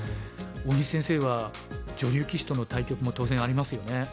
大西先生は女流棋士との対局も当然ありますよね。